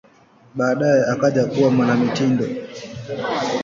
Baadaye akaja kuwa mwanamitindo.